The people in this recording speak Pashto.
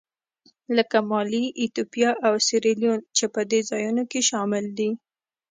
لکه مالي، ایتوپیا او سیریلیون چې په دې ځایونو کې شامل دي.